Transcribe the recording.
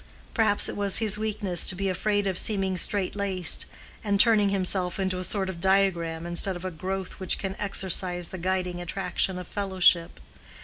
Perhaps it was his weakness to be afraid of seeming straight laced, and turning himself into a sort of diagram instead of a growth which can exercise the guiding attraction of fellowship.